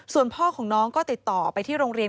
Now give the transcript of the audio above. ส่วนพ่อของน้องก็ติดต่อไปที่โรงเรียน